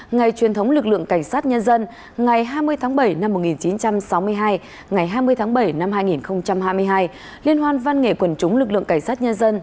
ngày hai mươi tháng bảy năm hai nghìn hai mươi hai liên hoan văn nghệ quần chúng lực lượng cảnh sát nhân dân